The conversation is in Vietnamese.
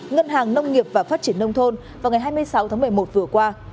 ngân hàng nông nghiệp và phát triển nông thôn vào ngày hai mươi sáu tháng một mươi một vừa qua